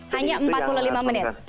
hanya empat puluh lima menit